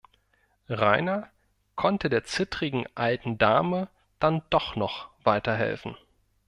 Rainer konnte der zittrigen alten Dame dann doch noch weiterhelfen.